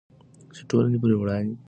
چې ټولنه پرې وویاړي.